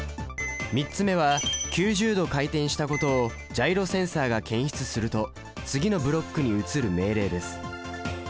３つ目は９０度回転したことをジャイロセンサが検出すると次のブロックに移る命令です。